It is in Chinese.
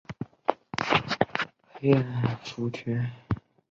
直指封建官僚胥吏习性与官场黑暗腐败。